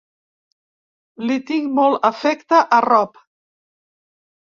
Li tinc molt afecte a Rob.